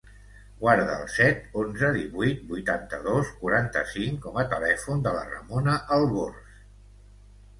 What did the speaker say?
Guarda el set, onze, divuit, vuitanta-dos, quaranta-cinc com a telèfon de la Ramona Albors.